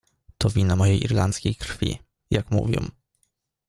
"To wina mojej irlandzkiej krwi, jak mówią."